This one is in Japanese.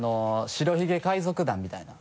白ひげ海賊団みたいな。